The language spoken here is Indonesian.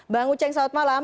bang uceng selamat malam